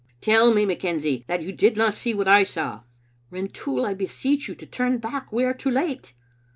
"" Tell me, McKenzie, that you did not see what I saw. "" Rintoul, I beseech you to turn back. We are too late."